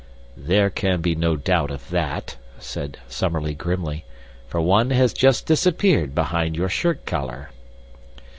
"There can be no doubt of that," said Summerlee, grimly, "for one has just disappeared behind your shirt collar."